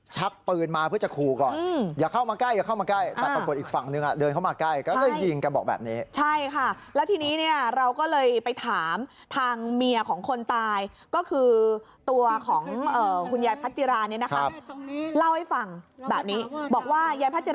ช่วยนะและเยี่ยมกันส่วน